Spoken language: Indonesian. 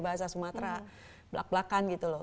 bahasa sumatera belak belakan gitu loh